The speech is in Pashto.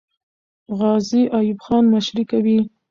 غازي ایوب خان مشري کوي.